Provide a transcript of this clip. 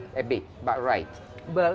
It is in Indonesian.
sedikit tapi benar